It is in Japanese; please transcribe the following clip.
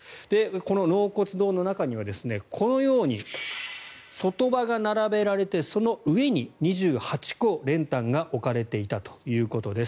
この納骨堂の中にはこのように卒塔婆が並べられてその上に２８個、練炭が置かれていたということです。